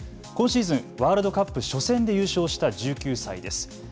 今シーズンワールドカップ初戦で優勝した１９歳です。